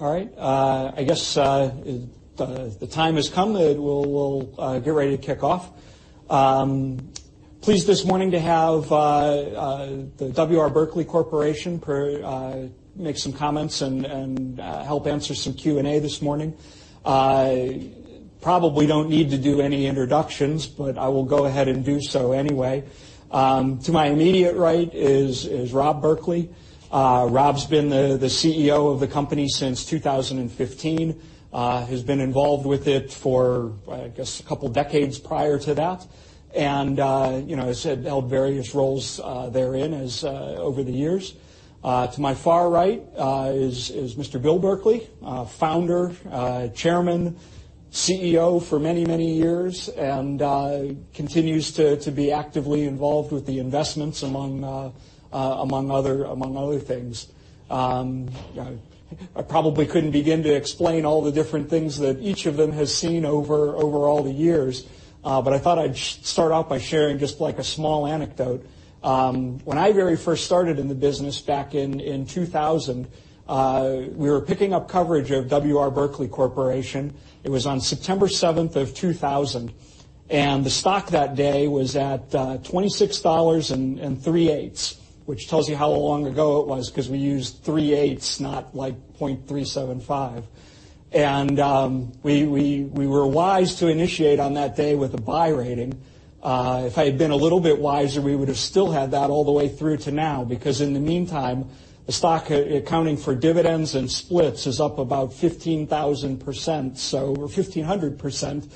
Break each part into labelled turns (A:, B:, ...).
A: All right. I guess the time has come that we'll get ready to kick off. Pleased this morning to have the W. R. Berkley Corporation make some comments and help answer some Q&A this morning. Probably don't need to do any introductions, I will go ahead and do so anyway. To my immediate right is Rob Berkley. Rob's been the CEO of the company since 2015. Has been involved with it for, I guess, a couple decades prior to that. Has held various roles therein over the years. To my far right is Mr. Bill Berkley, founder, chairman, CEO for many years, and continues to be actively involved with the investments among other things. I probably couldn't begin to explain all the different things that each of them has seen over all the years. I thought I'd start off by sharing just a small anecdote. When I very first started in the business back in 2000, we were picking up coverage of W. R. Berkley Corporation. It was on September 7th of 2000. The stock that day was at $26 and 3/8ths, which tells you how long ago it was because we used 3/8ths, not like 0.375. We were wise to initiate on that day with a buy rating. If I had been a little bit wiser, we would've still had that all the way through to now, because in the meantime, the stock accounting for dividends and splits is up about 15,000%. Over 1,500%.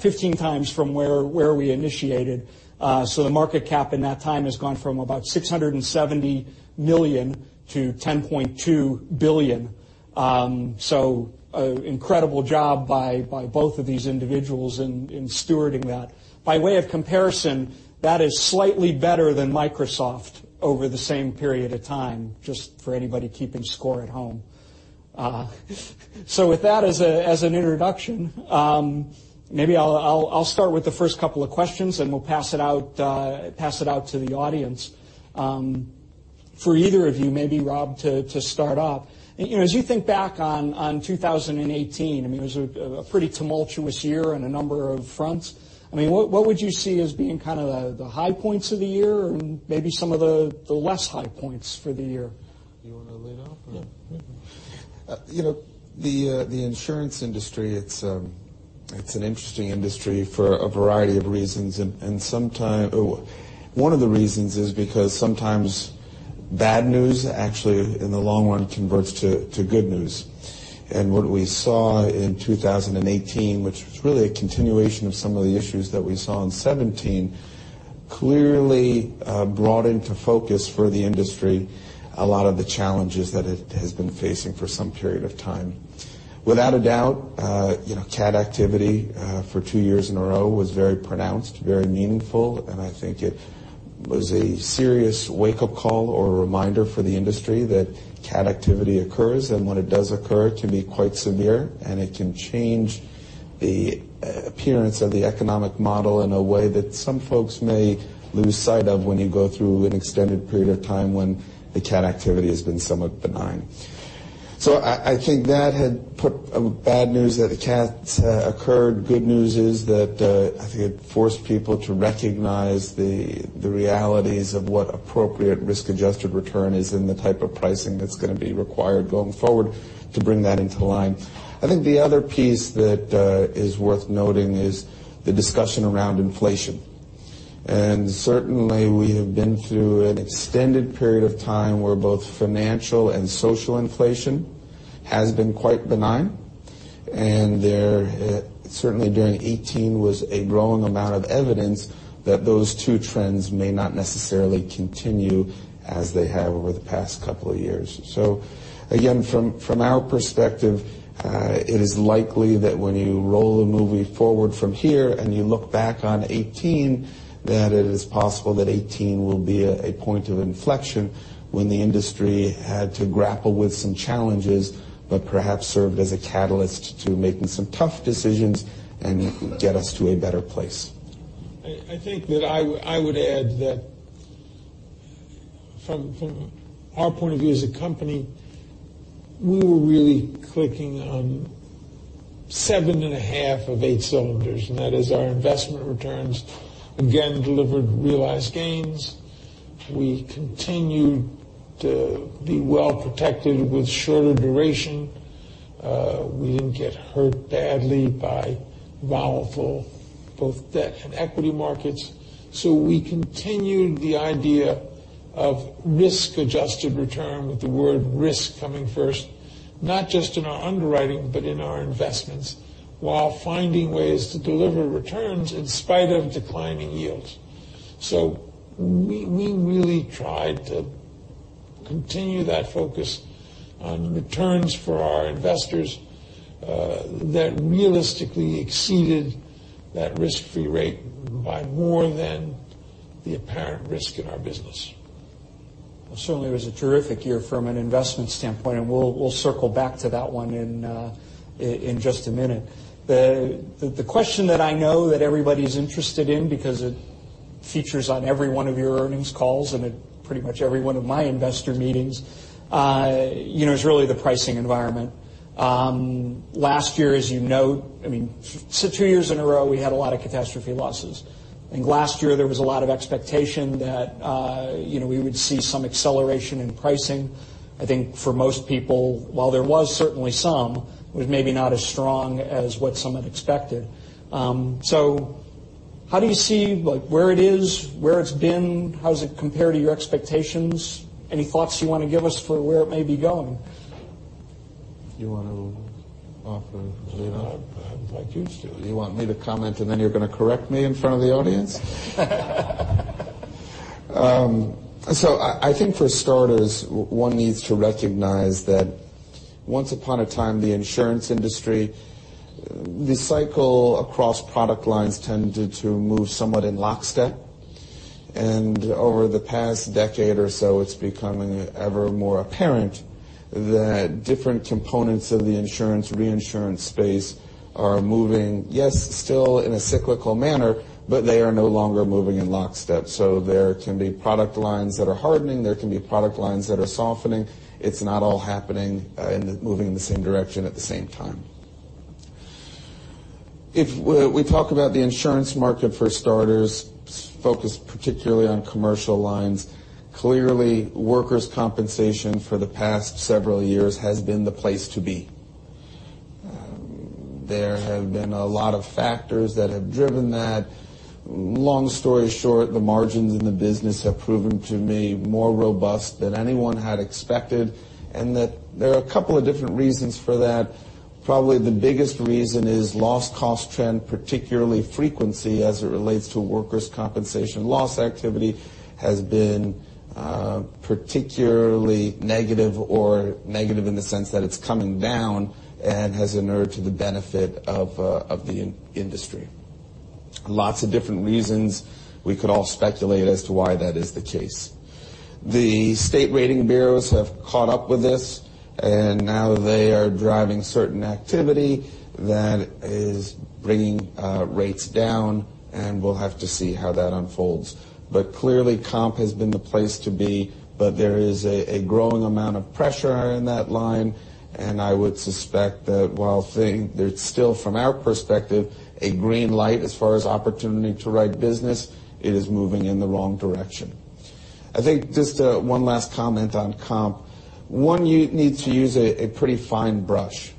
A: 15 times from where we initiated. The market cap in that time has gone from about $670 million to $10.2 billion. An incredible job by both of these individuals in stewarding that. By way of comparison, that is slightly better than Microsoft over the same period of time, just for anybody keeping score at home. With that as an introduction, maybe I'll start with the first couple of questions, and we'll pass it out to the audience. For either of you, maybe Rob to start off. As you think back on 2018, it was a pretty tumultuous year on a number of fronts. What would you see as being kind of the high points of the year and maybe some of the less high points for the year?
B: Do you want to lead off or?
C: No, you.
B: The insurance industry, it's an interesting industry for a variety of reasons. One of the reasons is because sometimes bad news actually in the long run converts to good news. What we saw in 2018, which was really a continuation of some of the issues that we saw in 2017, clearly brought into focus for the industry a lot of the challenges that it has been facing for some period of time. Without a doubt catastrophe activity for two years in a row was very pronounced, very meaningful, and I think it was a serious wake-up call or a reminder for the industry that catastrophe activity occurs, and when it does occur, it can be quite severe, and it can change the appearance of the economic model in a way that some folks may lose sight of when you go through an extended period of time when the catastrophe activity has been somewhat benign. I think that had put bad news that the cats occurred. Good news is that, I think it forced people to recognize the realities of what appropriate risk-adjusted return is and the type of pricing that's going to be required going forward to bring that into line. I think the other piece that is worth noting is the discussion around inflation. Certainly, we have been through an extended period of time where both financial and social inflation has been quite benign. There certainly during 2018 was a growing amount of evidence that those two trends may not necessarily continue as they have over the past couple of years. Again, from our perspective, it is likely that when you roll the movie forward from here and you look back on 2018, that it is possible that 2018 will be a point of inflection when the industry had to grapple with some challenges but perhaps served as a catalyst to making some tough decisions and get us to a better place.
C: I think that I would add that from our point of view as a company, we were really clicking on seven and a half of eight cylinders. That is our investment returns again delivered realized gains. We continued to be well protected with shorter duration. We didn't get hurt badly by volatile both debt and equity markets. We continued the idea of risk-adjusted return with the word risk coming first, not just in our underwriting, but in our investments, while finding ways to deliver returns in spite of declining yields. We really tried to continue that focus on returns for our investors that realistically exceeded that risk-free rate by more than the apparent risk in our business.
A: Well, certainly, it was a terrific year from an investment standpoint, and we'll circle back to that one in just a minute. The question that I know that everybody's interested in because Features on every one of your earnings calls and at pretty much every one of my investor meetings, is really the pricing environment. Last year, as you know, two years in a row, we had a lot of catastrophe losses. I think last year there was a lot of expectation that we would see some acceleration in pricing. I think for most people, while there was certainly some, it was maybe not as strong as what some had expected. How do you see where it is, where it's been? How does it compare to your expectations? Any thoughts you want to give us for where it may be going?
C: You want to offer, Leo?
B: I'd like you to. You want me to comment and then you're going to correct me in front of the audience? I think for starters, one needs to recognize that once upon a time, the insurance industry, the cycle across product lines tended to move somewhat in lockstep. Over the past decade or so, it's becoming ever more apparent that different components of the insurance reinsurance space are moving, yes, still in a cyclical manner, but they are no longer moving in lockstep. There can be product lines that are hardening. There can be product lines that are softening. It's not all happening and moving in the same direction at the same time. If we talk about the insurance market for starters, focused particularly on commercial lines, clearly workers' compensation for the past several years has been the place to be. There have been a lot of factors that have driven that. Long story short, the margins in the business have proven to be more robust than anyone had expected. There are a couple of different reasons for that. Probably the biggest reason is loss cost trend, particularly frequency as it relates to workers' compensation loss activity has been particularly negative or negative in the sense that it's coming down and has inured to the benefit of the industry. Lots of different reasons we could all speculate as to why that is the case. The state rating bureaus have caught up with this. Now they are driving certain activity that is bringing rates down. We'll have to see how that unfolds. Clearly, comp has been the place to be. There is a growing amount of pressure in that line. I would suspect that while there's still, from our perspective, a green light as far as opportunity to write business, it is moving in the wrong direction. I think just one last comment on comp. One needs to use a pretty fine brush.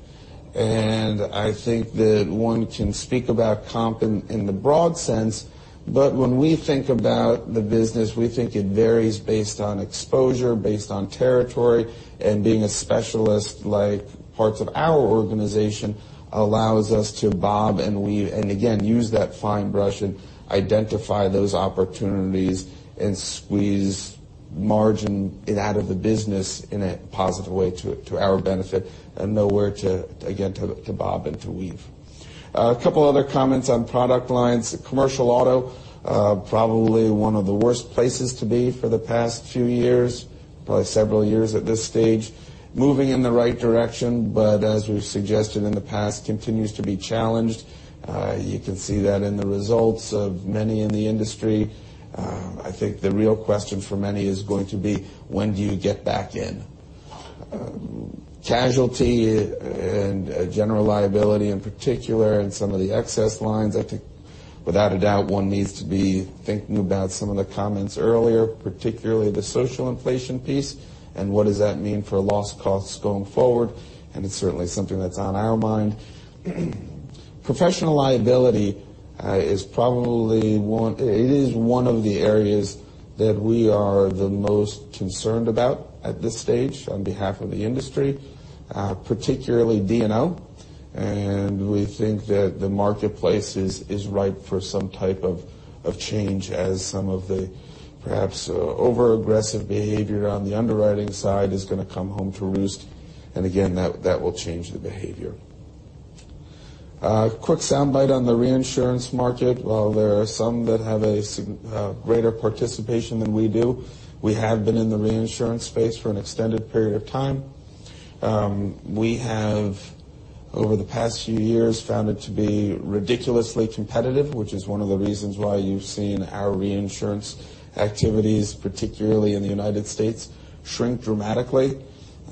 B: I think that one can speak about comp in the broad sense. When we think about the business, we think it varies based on exposure, based on territory. Being a specialist like parts of our organization allows us to bob and weave. Again, use that fine brush and identify those opportunities and squeeze margin out of the business in a positive way to our benefit and know where to, again, to bob and to weave. A couple other comments on product lines. Commercial auto, probably one of the worst places to be for the past few years, probably several years at this stage. Moving in the right direction, as we've suggested in the past, continues to be challenged. You can see that in the results of many in the industry. I think the real question for many is going to be, when do you get back in? Casualty and general liability in particular and some of the excess lines, I think without a doubt, one needs to be thinking about some of the comments earlier, particularly the social inflation piece and what does that mean for loss costs going forward. It's certainly something that's on our mind. Professional liability is one of the areas that we are the most concerned about at this stage on behalf of the industry, particularly D&O. We think that the marketplace is ripe for some type of change as some of the perhaps overaggressive behavior on the underwriting side is going to come home to roost. Again, that will change the behavior. A quick soundbite on the reinsurance market. While there are some that have a greater participation than we do, we have been in the reinsurance space for an extended period of time. We have, over the past few years, found it to be ridiculously competitive, which is one of the reasons why you've seen our reinsurance activities, particularly in the U.S., shrink dramatically.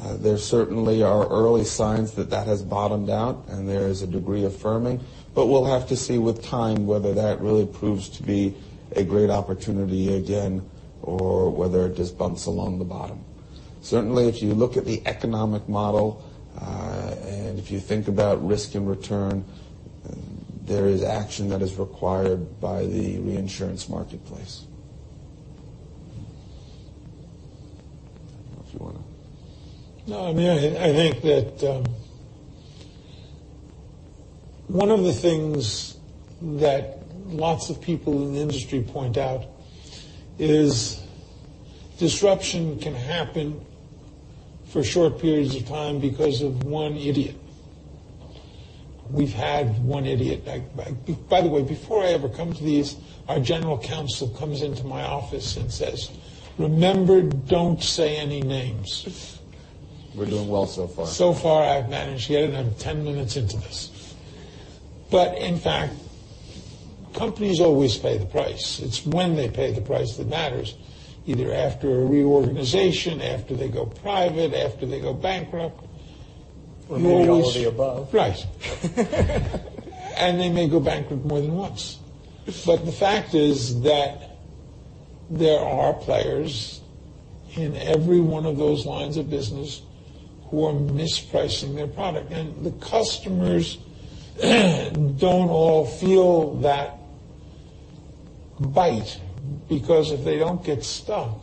B: There certainly are early signs that that has bottomed out and there is a degree of firming. We'll have to see with time whether that really proves to be a great opportunity again or whether it just bumps along the bottom. Certainly, if you look at the economic model, and if you think about risk and return, there is action that is required by the reinsurance marketplace. I don't know if you want to.
C: No, I think that one of the things that lots of people in the industry point out is disruption can happen for short periods of time because of one idiot. We've had one idiot. By the way, before I ever come to these, our General Counsel comes into my office and says, "Remember, don't say any names." We're doing well so far. So far, I've managed to get it in 10 minutes into this. In fact, companies always pay the price. It's when they pay the price that matters, either after a reorganization, after they go private, after they go bankrupt. Maybe all of the above. Right. They may go bankrupt more than once. The fact is that there are players in every one of those lines of business who are mispricing their product. The customers don't all feel that bite because if they don't get stuck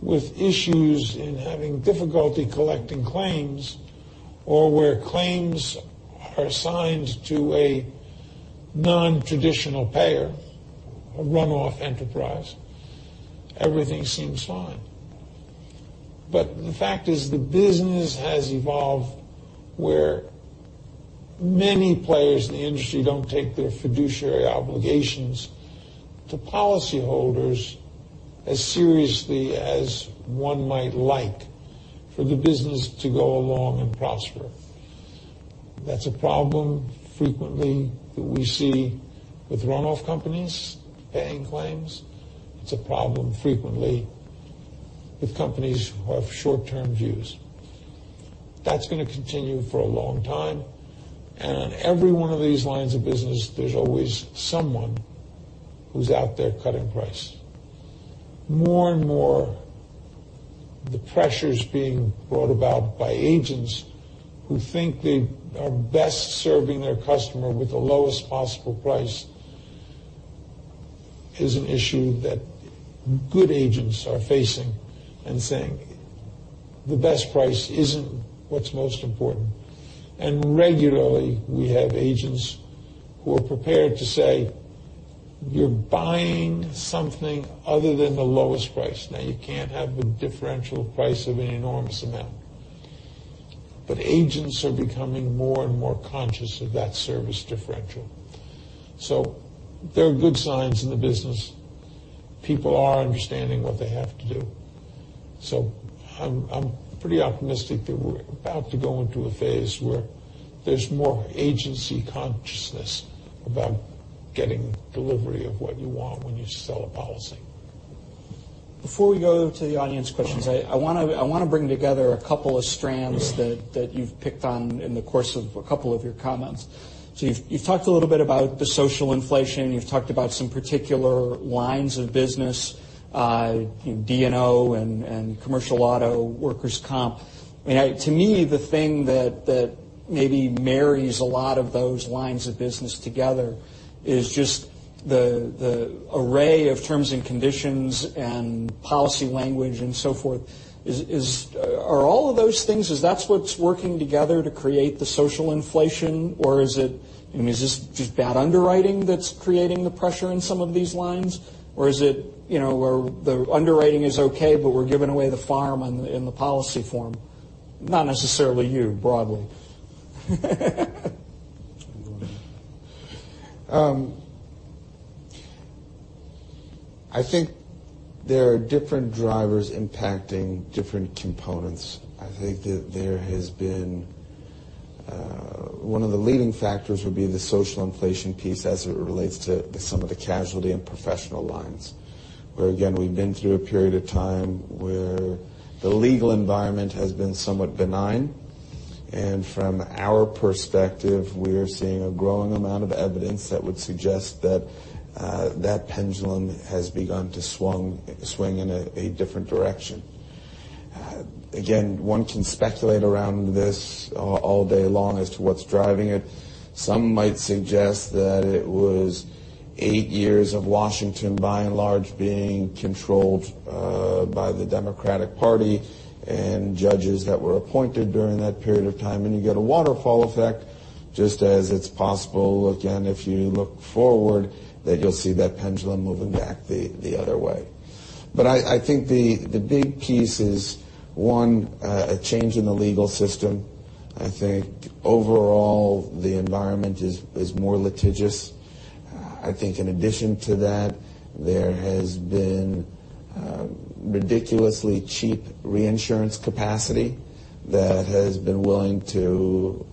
C: with issues in having difficulty collecting claims or where claims are assigned to a non-traditional payer, a runoff enterprise, everything seems fine. The fact is the business has evolved where many players in the industry don't take their fiduciary obligations to policyholders as seriously as one might like for the business to go along and prosper. That's a problem frequently that we see with runoff companies paying claims. It's a problem frequently with companies who have short-term views. That's going to continue for a long time, and on every one of these lines of business, there's always someone who's out there cutting price. More and more, the pressures being brought about by agents who think they are best serving their customer with the lowest possible price is an issue that good agents are facing and saying the best price isn't what's most important. Regularly, we have agents who are prepared to say, "You're buying something other than the lowest price." Now you can't have the differential price of an enormous amount. Agents are becoming more and more conscious of that service differential. There are good signs in the business. People are understanding what they have to do. I'm pretty optimistic that we're about to go into a phase where there's more agency consciousness about getting delivery of what you want when you sell a policy.
A: Before we go to the audience questions, I want to bring together a couple of strands that you've picked on in the course of a couple of your comments. You've talked a little bit about the social inflation. You've talked about some particular lines of business, D&O and commercial auto, workers' comp. To me, the thing that maybe marries a lot of those lines of business together is just the array of terms and conditions and policy language and so forth. Are all of those things, is that's what's working together to create the social inflation? Is it just bad underwriting that's creating the pressure in some of these lines? Is it where the underwriting is okay, but we're giving away the farm in the policy form? Not necessarily you, broadly.
B: I think there are different drivers impacting different components. I think that there has been, one of the leading factors would be the social inflation piece as it relates to some of the casualty and professional lines, where again, we've been through a period of time where the legal environment has been somewhat benign. From our perspective, we are seeing a growing amount of evidence that would suggest that that pendulum has begun to swing in a different direction. Again, one can speculate around this all day long as to what's driving it. Some might suggest that it was eight years of Washington, by and large, being controlled by the Democratic Party and judges that were appointed during that period of time. You get a waterfall effect, just as it's possible, again, if you look forward, that you'll see that pendulum moving back the other way. I think the big piece is, one, a change in the legal system. I think overall, the environment is more litigious. I think in addition to that, there has been ridiculously cheap reinsurance capacity that has been willing to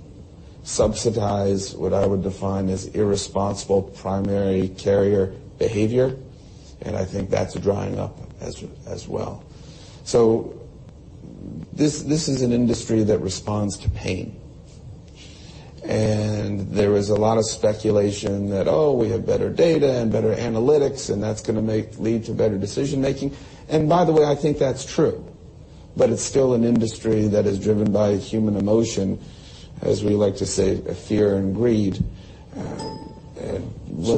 B: subsidize what I would define as irresponsible primary carrier behavior, and I think that's drying up as well. This is an industry that responds to pain. There is a lot of speculation that, oh, we have better data and better analytics, and that's going to lead to better decision-making. By the way, I think that's true. It's still an industry that is driven by human emotion, as we like to say, fear and greed.
A: They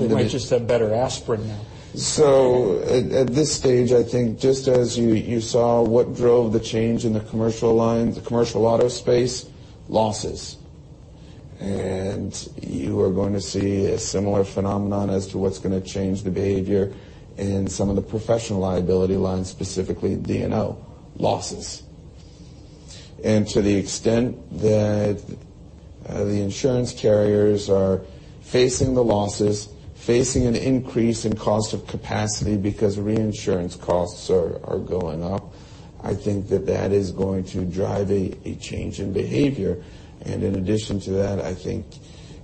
A: might just have better aspirin now.
B: At this stage, I think just as you saw what drove the change in the commercial auto space, losses. You are going to see a similar phenomenon as to what's going to change the behavior in some of the professional liability lines, specifically D&O. Losses. To the extent that The insurance carriers are facing the losses, facing an increase in cost of capacity because reinsurance costs are going up. I think that that is going to drive a change in behavior. In addition to that, I think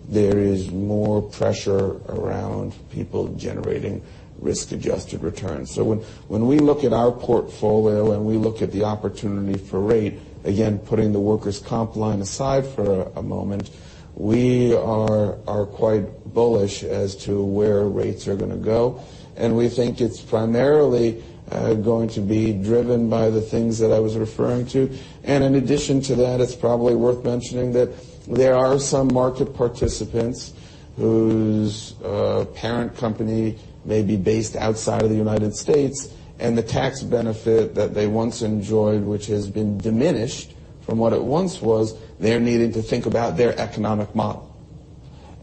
B: there is more pressure around people generating risk-adjusted returns. When we look at our portfolio and we look at the opportunity for rate, again, putting the workers' comp line aside for a moment, we are quite bullish as to where rates are going to go. We think it's primarily going to be driven by the things that I was referring to. In addition to that, it's probably worth mentioning that there are some market participants whose parent company may be based outside of the United States, and the tax benefit that they once enjoyed, which has been diminished from what it once was, they're needing to think about their economic model.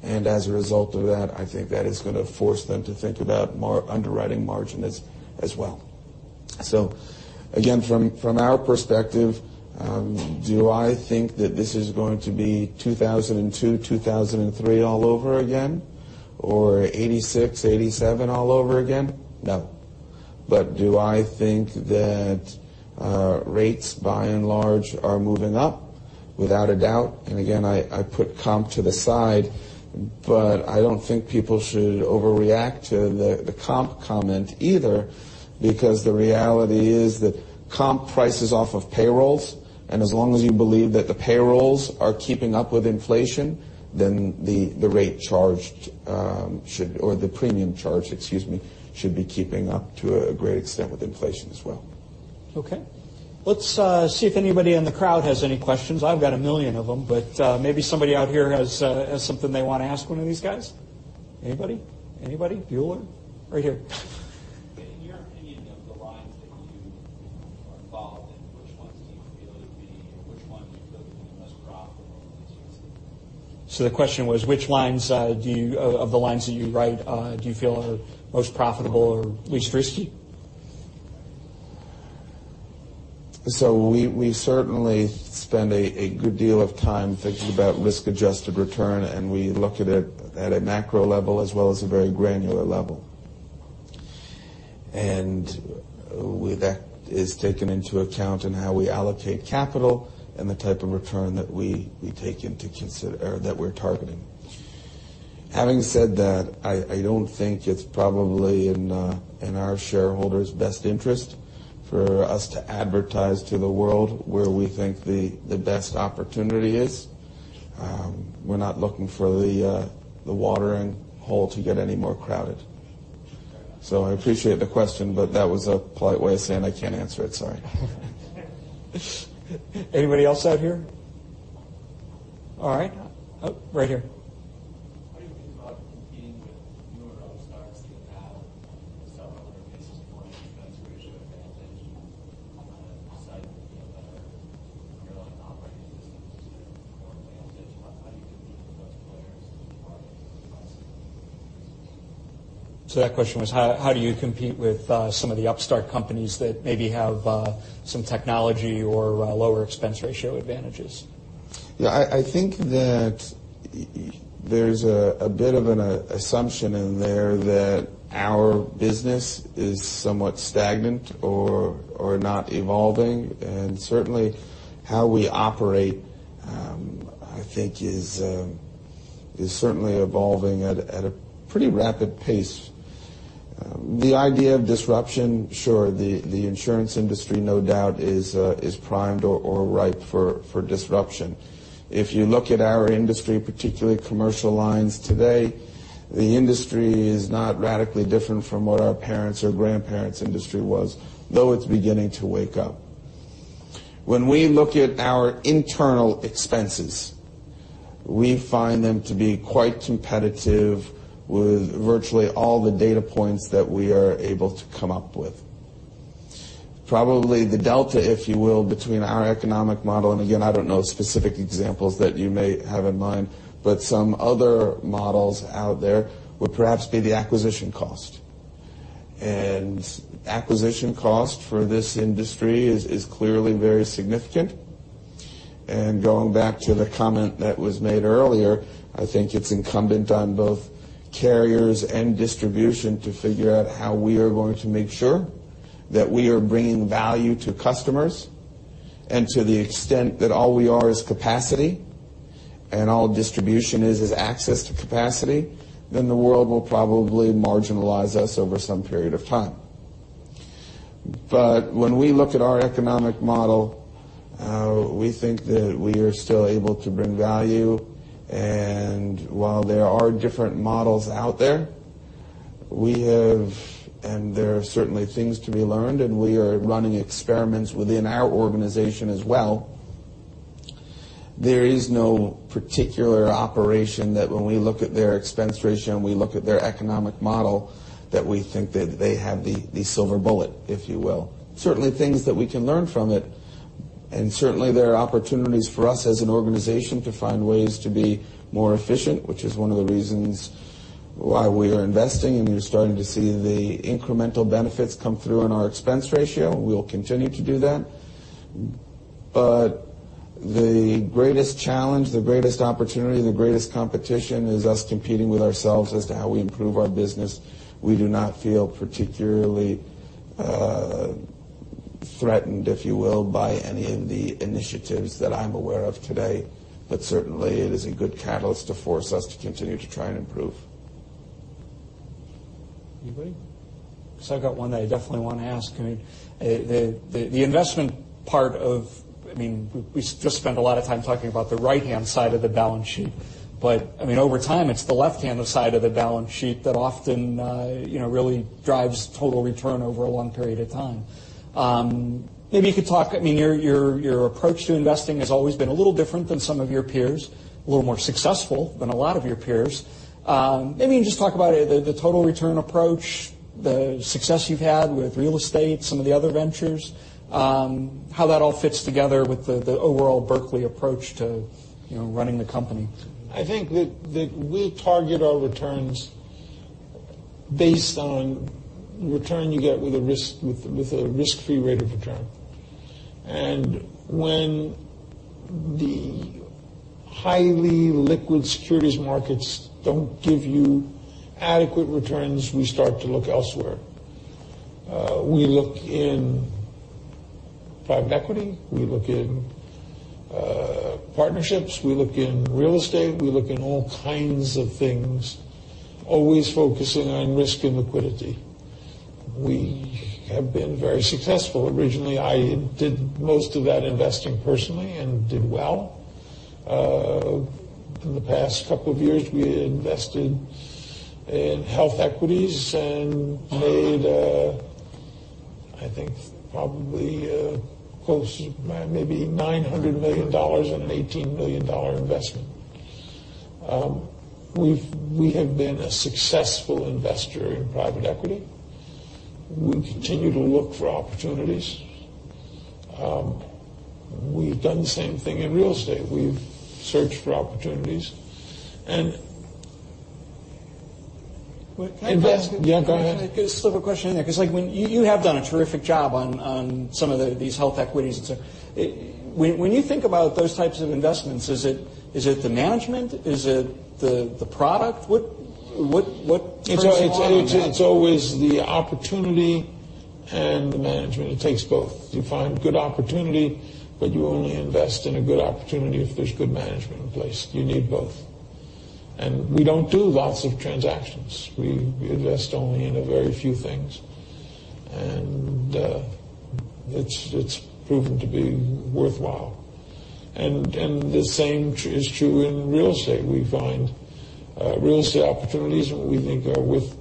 B: As a result of that, I think that is going to force them to think about more underwriting margin as well. Again, from our perspective, do I think that this is going to be 2002, 2003 all over again, or 1986, 1987 all over again? No. Do I think that rates, by and large, are moving up? Without a doubt. Again, I put comp to the side, but I don't think people should overreact to the comp comment either, because the reality is that comp prices off of payrolls, and as long as you believe that the payrolls are keeping up with inflation, then the rate charged should or the premium charge, excuse me, should be keeping up to a great extent with inflation as well.
A: Okay. Let's see if anybody in the crowd has any questions. I've got a million of them, but maybe somebody out here has something they want to ask one of these guys. Anybody? Anybody? Bueller. Right here.
D: In your opinion, of the lines that you are involved in, which ones do you feel are the most profitable these years?
A: The question was, which lines do you, of the lines that you write, do you feel are most profitable or least risky?
B: We certainly spend a good deal of time thinking about risk-adjusted return, and we look at it at a macro level as well as a very granular level. That is taken into account in how we allocate capital and the type of return that we're targeting. Having said that, I don't think it's probably in our shareholders' best interest for us to advertise to the world where we think the best opportunity is. We're not looking for the watering hole to get any more crowded. I appreciate the question, but that was a polite way of saying I can't answer it, sorry.
A: Anybody else out here? All right. Right here.
D: How do you think about competing with newer upstarts that have some, in many cases, lower expense ratio advantage and excitement, better parallel operating systems or advantage? How do you compete with those players who are less expensive?
A: That question was, how do you compete with some of the upstart companies that maybe have some technology or lower expense ratio advantages?
B: Yeah, I think that there's a bit of an assumption in there that our business is somewhat stagnant or not evolving, and certainly how we operate, I think is certainly evolving at a pretty rapid pace. The idea of disruption, sure, the insurance industry, no doubt, is primed or ripe for disruption. If you look at our industry, particularly commercial lines today, the industry is not radically different from what our parents' or grandparents' industry was, though it's beginning to wake up. When we look at our internal expenses, we find them to be quite competitive with virtually all the data points that we are able to come up with. Probably the delta, if you will, between our economic model, and again, I don't know specific examples that you may have in mind, but some other models out there would perhaps be the acquisition cost. Acquisition cost for this industry is clearly very significant. Going back to the comment that was made earlier, I think it's incumbent on both carriers and distribution to figure out how we are going to make sure that we are bringing value to customers. To the extent that all we are is capacity, and all distribution is access to capacity, then the world will probably marginalize us over some period of time. When we look at our economic model, we think that we are still able to bring value. While there are different models out there, we have and there are certainly things to be learned, and we are running experiments within our organization as well. There is no particular operation that when we look at their expense ratio and we look at their economic model, that we think that they have the silver bullet, if you will. Certainly things that we can learn from it, and certainly there are opportunities for us as an organization to find ways to be more efficient, which is one of the reasons why we are investing, and you're starting to see the incremental benefits come through in our expense ratio. We'll continue to do that. The greatest challenge, the greatest opportunity, the greatest competition is us competing with ourselves as to how we improve our business. We do not feel particularly threatened, if you will, by any of the initiatives that I'm aware of today. Certainly, it is a good catalyst to force us to continue to try and improve.
A: Anybody? I've got one that I definitely want to ask. We just spent a lot of time talking about the right-hand side of the balance sheet. Over time, it's the left-hand side of the balance sheet that often really drives total return over a long period of time. Maybe you could talk, your approach to investing has always been a little different than some of your peers, a little more successful than a lot of your peers. Maybe just talk about the total return approach, the success you've had with real estate, some of the other ventures, how that all fits together with the overall Berkley approach to running the company.
C: I think that we target our returns based on return you get with a risk-free rate of return. When the highly liquid securities markets don't give you adequate returns, we start to look elsewhere. We look in private equity. We look in partnerships. We look in real estate. We look in all kinds of things, always focusing on risk and liquidity. We have been very successful. Originally, I did most of that investing personally and did well. In the past couple of years, we invested in HealthEquity, Inc. and made, I think, probably close to maybe $900 million on an $18 million investment. We have been a successful investor in private equity. We continue to look for opportunities. We've done the same thing in real estate. We've searched for opportunities and
A: Can I ask
C: Yeah, go ahead.
A: Can I slip a question in there? When you have done a terrific job on some of these HealthEquity, Inc. and so on. When you think about those types of investments, is it the management? Is it the product? What turns you on?
C: It's always the opportunity and the management. It takes both. You find good opportunity, you only invest in a good opportunity if there's good management in place. You need both. We don't do lots of transactions. We invest only in a very few things, and it's proven to be worthwhile. The same is true in real estate. We find real estate opportunities that we think are with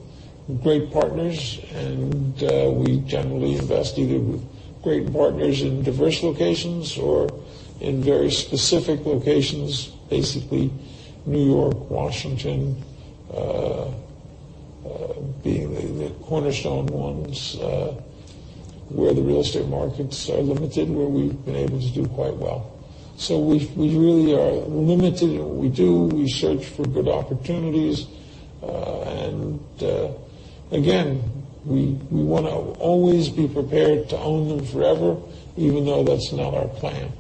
C: great partners, and we generally invest either with great partners in diverse locations or in very specific locations. Basically, New York, Washington being the cornerstone ones, where the real estate markets are limited, where we've been able to do quite well. We really are limited in what we do. We search for good opportunities. Again, we want to always be prepared to own them forever, even though that's not our plan.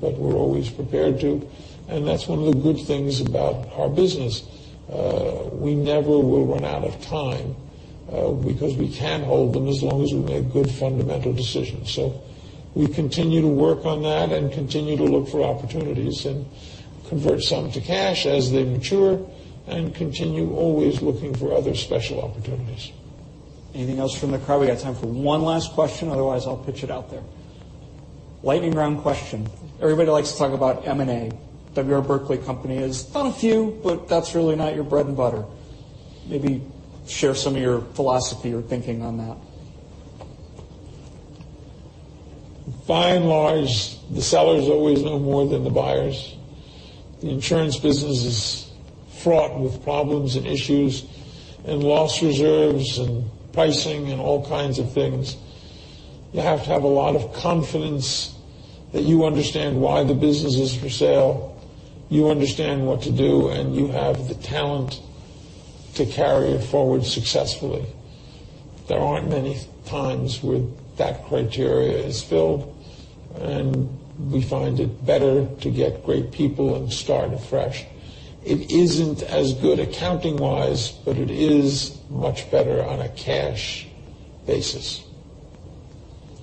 C: We're always prepared to, and that's one of the good things about our business. We never will run out of time because we can hold them as long as we make good fundamental decisions. We continue to work on that and continue to look for opportunities, and convert some to cash as they mature, and continue always looking for other special opportunities.
A: Anything else from the crowd? We got time for one last question. Otherwise, I'll pitch it out there. Lightning round question. Everybody likes to talk about M&A. W. R. Berkley company has done a few, that's really not your bread and butter. Maybe share some of your philosophy or thinking on that.
C: By and large, the sellers always know more than the buyers. The insurance business is fraught with problems and issues and loss reserves and pricing and all kinds of things. You have to have a lot of confidence that you understand why the business is for sale, you understand what to do, and you have the talent to carry it forward successfully. There aren't many times where that criteria is filled, and we find it better to get great people and start afresh. It isn't as good accounting wise, but it is much better on a cash basis.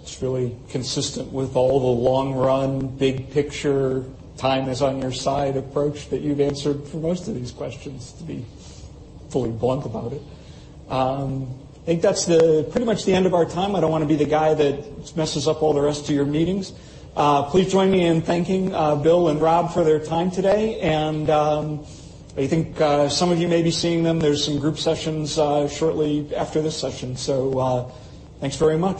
A: It's really consistent with all the long-run, big picture, time is on your side approach that you've answered for most of these questions, to be fully blunt about it. I think that's pretty much the end of our time. I don't want to be the guy that messes up all the rest of your meetings. Please join me in thanking Bill and Rob for their time today. I think some of you may be seeing them. There's some group sessions shortly after this session. Thanks very much.